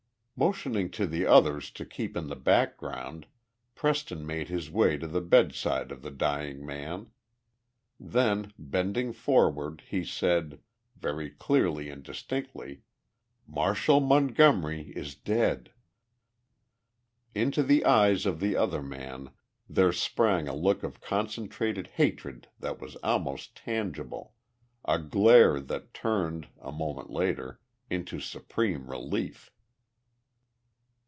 Motioning to the others to keep in the background, Preston made his way to the bedside of the dying man. Then, bending forward, he said, very clearly and distinctly: "Marshall Montgomery is dead!" Into the eyes of the other man there sprang a look of concentrated hatred that was almost tangible a glare that turned, a moment later, into supreme relief.